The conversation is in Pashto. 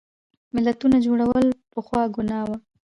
ملتونو جوړول پخوا ګناه وه.